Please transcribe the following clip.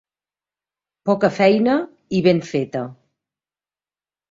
Poca feina i ben feta.